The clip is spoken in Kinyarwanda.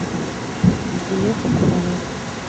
bigiye kukunanira